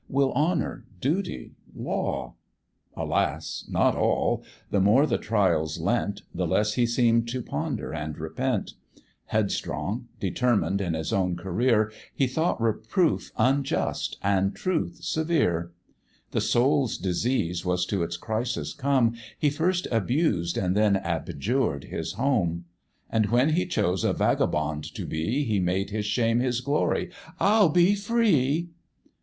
will honour, duty, law? Alas! not all: the more the trials lent, The less he seem'd to ponder and repent; Headstrong, determined in his own career, He thought reproof unjust and truth severe; The soul's disease was to its crisis come, He first abused and then abjured his home; And when he chose a vagabond to be, He made his shame his glory "I'll be free."